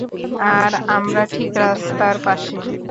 আর আমরা ঠিক রাস্তার পাশে।